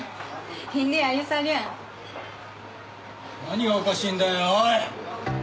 何がおかしいんだよおい！